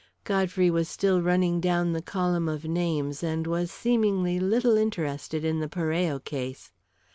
Godfrey was still running down the column of names, and was seemingly little interested in the Parello case.